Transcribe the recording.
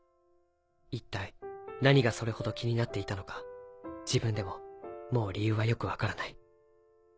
一体何がそれほど気になっていたのか自分でももう理由はよく分からない。